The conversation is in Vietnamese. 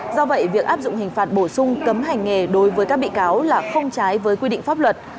do vậy việc áp dụng hình phạt bổ sung cấm hành nghề đối với các bị cáo là không trái với quy định pháp luật